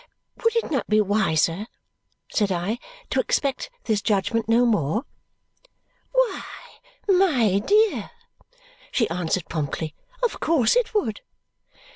"Would it not be wiser," said I, "to expect this judgment no more?" "Why, my dear," she answered promptly, "of course it would!"